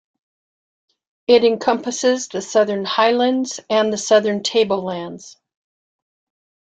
It encompasses the Southern Highlands and the Southern Tablelands.